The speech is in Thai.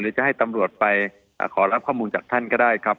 จะให้ตำรวจไปขอรับข้อมูลจากท่านก็ได้ครับ